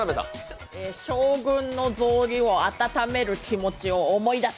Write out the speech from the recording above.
将軍のぞうりを温める気持ちを思い出す。